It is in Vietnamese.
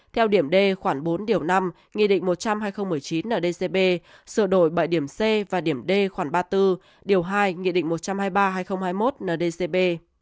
theo điểm d khoảng bốn điều năm nghị định một trăm linh hai nghìn một mươi chín ndcp sửa đổi bảy điểm c và điểm d khoảng ba mươi bốn điều hai nghị định một trăm hai mươi ba hai nghìn hai mươi một ndcp